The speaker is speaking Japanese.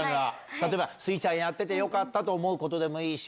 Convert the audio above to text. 例えばスイちゃんをやっててよかったと思うことでもいいし。